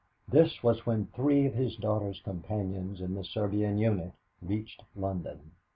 This was when three of his daughter's companions in the Serbian unit reached London.